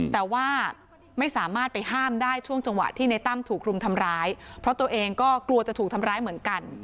แต่ว่าไม่สามารถไปห้ามได้ช่วงจังหวะที่ในตั้มถูกรุมทำร้ายเพราะตัวเองก็กลัวจะถูกทำร้ายเหมือนกัน